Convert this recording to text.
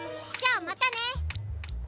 じゃまたね。